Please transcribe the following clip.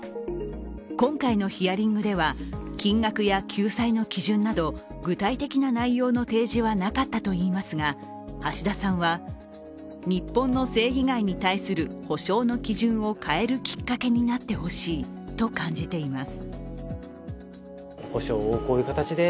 今回のヒアリングでは金額や救済の基準など具体的な内容の提示はなかったといいますが橋田さんは、日本の性被害に対する補償の基準を変えるきっかけになってほしいと感じています